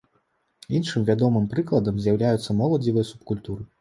Іншым вядомым прыкладам з'яўляюцца моладзевыя субкультуры.